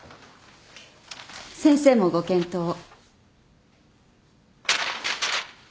先生もご検討を。